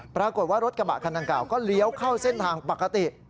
ปรากฏว่ารถกระบะคันดังกล่าก็เลี้ยวเข้าเส้นทางปกติ